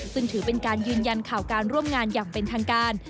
ซึ่งถือเป็นการยืนยันข่าวการร่วมงานอย่างเป็นทางการ